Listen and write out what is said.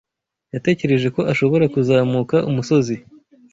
Yatekereje ko ashobora kuzamuka umusozi.